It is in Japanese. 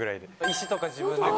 石とか自分で。